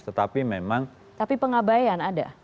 tetapi memang tapi pengabayan ada